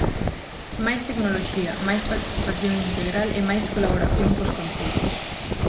Máis tecnoloxía, máis participación integral e máis colaboración cos concellos.